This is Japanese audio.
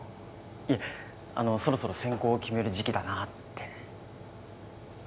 いえそろそろ専攻を決める時期だなって。